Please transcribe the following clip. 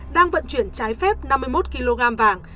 đang vận chuyển trái phép năm mươi một kg vàng